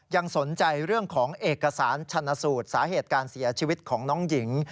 ยังสนใจเรื่องของเอกสารชันสูตรสาเหตุการเสียชีวิตของน้องหญิง